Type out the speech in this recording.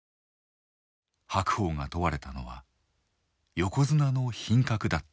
白鵬が問われたのは「横綱の品格」だった。